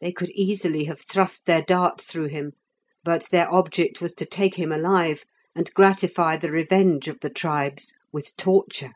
They could easily have thrust their darts through him, but their object was to take him alive, and gratify the revenge of the tribes with torture.